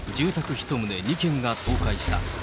１棟２軒が倒壊した。